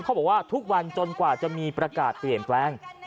เขาบอกว่าทุกวันจนกว่าจะมีประกาศเปลี่ยนแปลง